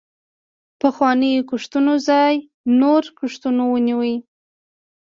پخوانیو کښتونو ځای نورو کښتونو ونیوه.